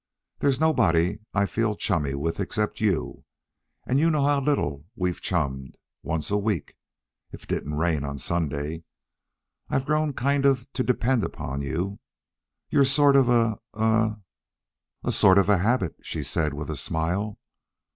There's nobody I feel chummy with except you, and you know how little we've chummed once a week, if it didn't rain, on Sunday. I've grown kind of to depend on you. You're a sort of of of " "A sort of habit," she said with a smile.